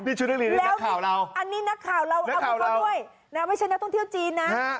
นี่ชุดนักเรียนนี่นักข่าวเราอันนี้นักข่าวเราเอาเขาด้วยไม่ใช่นักท่องเที่ยวจีนนะ